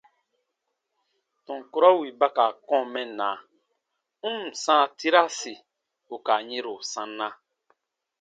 Tɔn kurɔ wì ba ka kɔ̃ɔ mɛnna, n ǹ sãa tiraasi ù ka yɛ̃ro sanna.